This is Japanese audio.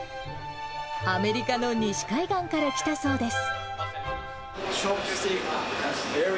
アメリカの西海岸から来たそうです。